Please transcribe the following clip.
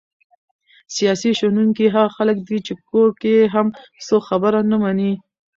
سیاسي شنونکي هغه خلک دي چې کور کې یې هم څوک خبره نه مني!